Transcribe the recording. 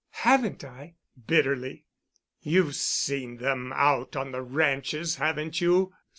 "Haven't I?" bitterly. "You've seen them out on the ranches, haven't you?